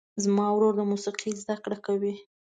زما ورور د موسیقۍ زده کړه کوي.